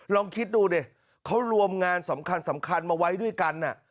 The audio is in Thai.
ลองคิดดูดิเขารวมงานสำคัญมาไว้ด้วยกัน